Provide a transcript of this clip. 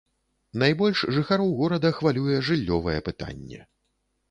Найбольш жыхароў горада хвалюе жыллёвае пытанне.